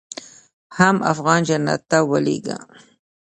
حم افغان جنت ته ولېږه.